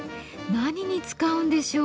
何に使うんでしょう？